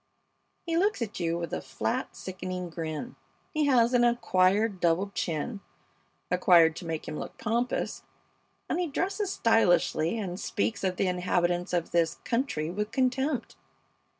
He looks at you with a flat, sickening grin. He has an acquired double chin, acquired to make him look pompous, and he dresses stylishly and speaks of the inhabitants of this country with contempt.